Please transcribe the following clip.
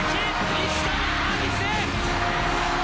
西田のサービスエース。